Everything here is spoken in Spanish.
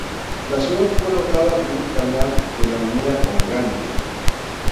La ciudad fue dotada de un canal que la unía con Gante.